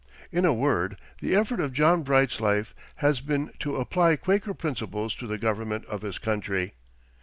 In a word, the effort of John Bright's life has been to apply Quaker principles to the government of his country.